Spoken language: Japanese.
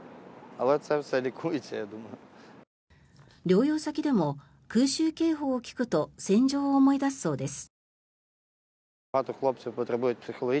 療養先でも空襲警報を聞くと戦場を思い出すそうです。